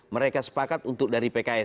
mereka sepakat untuk dari pks